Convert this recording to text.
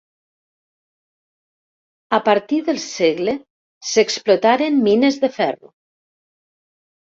A partir del segle s'explotaren mines de ferro.